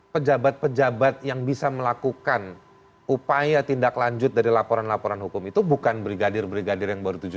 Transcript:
pejabat pejabat yang bisa melakukan upaya tindak lanjut dari laporan laporan hukum itu bukan brigadir brigadir yang baru tujuh hari